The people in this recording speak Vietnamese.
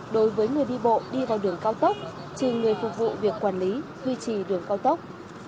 đối với người đi bộ đi theo đường cao tốc trừ người phục vụ việc quản lý duy trì đường cao tốc